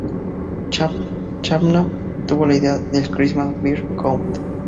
Chapman tuvo la idea del Christmas Bird Count.